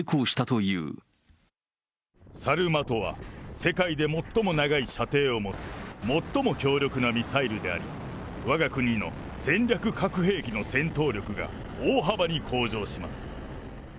サルマトは、世界で最も長い射程を持つ、最も強力なミサイルであり、わが国の戦略核兵器の戦闘力が大幅に向上します。